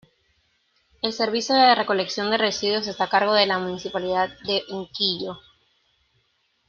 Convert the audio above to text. El servicio de recolección de residuos está a cargo de la Municipalidad de Unquillo.